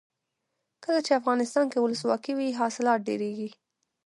کله چې افغانستان کې ولسواکي وي حاصلات ډیریږي.